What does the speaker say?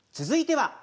続いては。